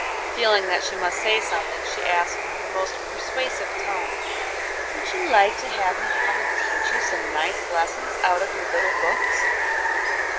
Feeling that she must say something, she asked, in her most persuasive tone: "Would you like to have me come and teach you some nice lessons out of your little books?"